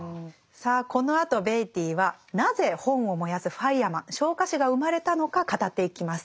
さあこのあとベイティーはなぜ本を燃やすファイアマン昇火士が生まれたのか語っていきます。